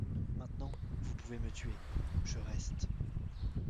Maintenant, vous pouvez me tuer, je reste.